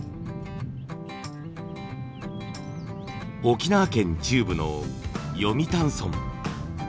沖縄県中部の読谷村。